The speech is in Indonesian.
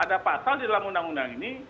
ada pasal di dalam undang undang ini